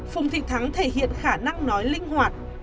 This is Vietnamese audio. phùng thị thắng thể hiện khả năng nói linh hoạt